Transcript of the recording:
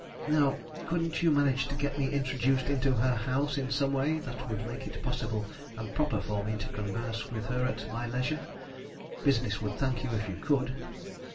Now couldn't you manage to get me introduced into her house in some way that would make it possible and proper for me to converse with her at my leisure? Business would thank you if you could."